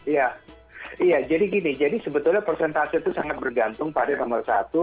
iya jadi gini jadi sebetulnya persentase itu sangat bergantung pada nomor satu